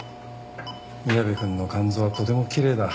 宮部くんの肝臓はとてもきれいだ。